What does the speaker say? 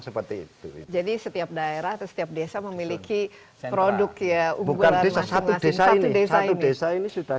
seperti itu jadi setiap daerah setiap desa memiliki produk ya bukan desa desa ini sudah